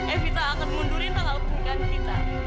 evita akan mundurin tanggap perikan kita